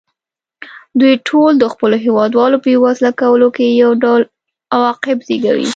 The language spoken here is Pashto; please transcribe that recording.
دوی ټول د خپلو هېوادوالو بېوزله کولو کې یو ډول عواقب زېږوي.